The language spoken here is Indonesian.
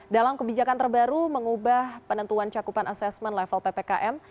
dalam kebijakan terbaru mengubah penentuan cakupan asesmen level ppkm